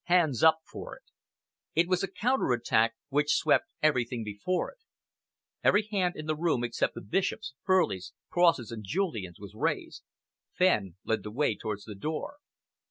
Hands up for it!" It was a counter attack which swept everything before it. Every hand in the room except the Bishop's, Furley's, Cross's and Julian's was raised. Fenn led the way towards the door.